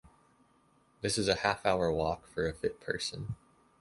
This is a half-hour walk for a fit person.